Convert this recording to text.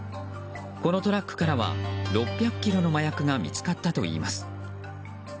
このトラックからは６００ｋｇの麻薬が見つかったといいます。